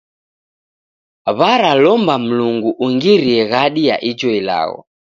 W'aralomba Mlungu ungirie ghadi ya ijo ilagho.